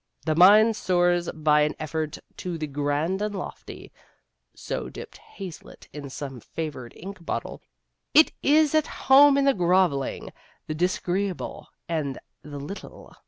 "The mind soars by an effort to the grand and lofty" (so dipped Hazlitt in some favored ink bottle) "it is at home in the groveling, the disagreeable, and the little."